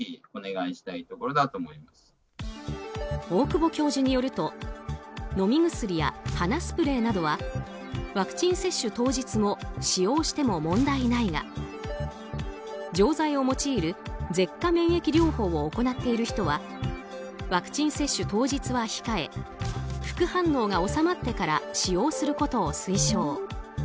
大久保教授によると飲み薬や鼻スプレーなどはワクチン接種当日も使用しても問題ないが錠剤を用いる舌下免疫療法を行っている人はワクチン接種当日は控え副反応が収まってから使用することを推奨。